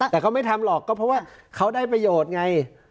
แต่เขาไม่ทำหรอกก็เพราะว่าเขาได้ประโยชน์ไง